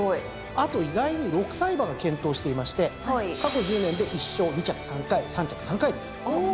あと意外に６歳馬が健闘していまして過去１０年で１勝２着３回３着３回です。